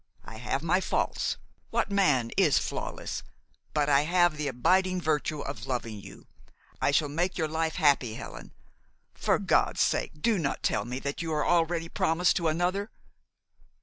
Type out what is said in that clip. I have my faults, what man is flawless? but I have the abiding virtue of loving you. I shall make your life happy, Helen. For God's sake do not tell me that you are already promised to another!"